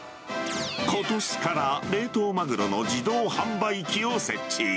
ことしから冷凍マグロの自動販売機を設置。